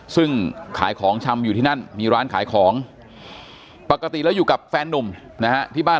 ซึ่งขายของชำอยู่ที่นั่นมีร้านขายของปกติแล้วอยู่กับแฟนนุ่มนะฮะที่บ้าน